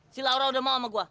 si laura udah mau sama gue